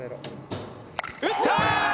打った！